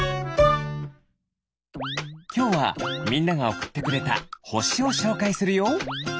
きょうはみんながおくってくれたほしをしょうかいするよ。